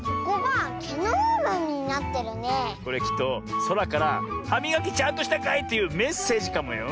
これきっとそらから「はみがきちゃんとしたかい？」というメッセージかもよ。